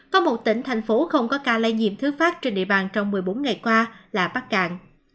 có một tỉnh thành phố không có ca lây nhiễm thứ phát trên địa bàn trong một mươi bốn ngày qua là bắc cạn